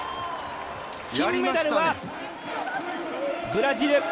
金メダルはブラジル。